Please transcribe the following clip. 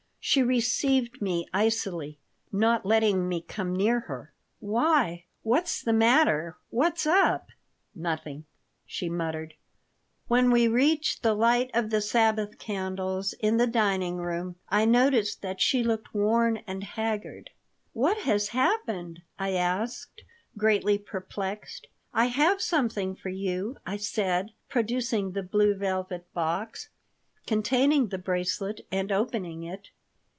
She received me icily, not letting me come near her "Why, what's the matter? What's up?" "Nothing," she muttered When we reached the light of the Sabbath candles in the dining room I noticed that she looked worn and haggard "What has happened?" I asked, greatly perplexed. "I have something for you," I said, producing the blue velvet box containing the bracelet and opening it.